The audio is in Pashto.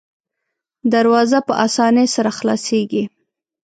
دروازه په اسانۍ سره خلاصیږي.